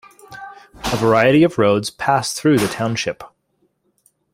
A variety of roads pass through the township.